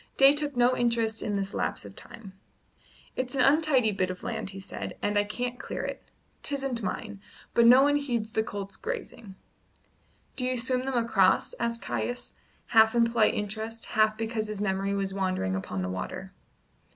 Day took no interest in this lapse of time. "It's an untidy bit of land," he said, "and I can't clear it. 'Tisn't mine; but no one heeds the colts grazing." "Do you swim them across?" asked Caius, half in polite interest, half because his memory was wandering upon the water.